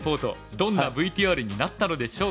どんなＶＴＲになったのでしょうか？